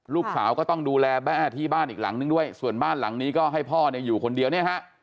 ลูกสาวก็ต้องดูแลแม่ที่บ้านอีกหลังนึงด้วยส่วนบ้านหลังนี้ก็ให้พ่อเนี่ยอยู่คนเดียวเนี่ยฮะ